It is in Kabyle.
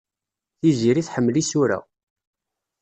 Tiziri tḥemmel isura.